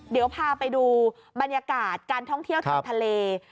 เดี๋ยวพาไปดูบรรยากาศการท่องเที่ยวทางทะเล